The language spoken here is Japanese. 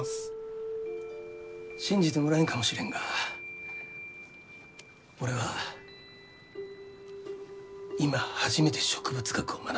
信じてもらえんかもしれんが俺は今初めて植物学を学びたいと。